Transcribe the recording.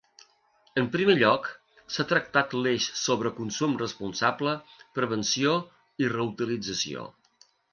En primer lloc, s’ha tractat l’eix sobre consum responsable, prevenció i reutilització.